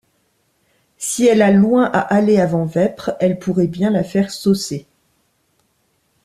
Si elle a loin à aller avant vêpres elle pourrait bien la faire saucer.